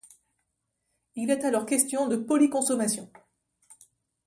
Il est alors question de polyconsommation.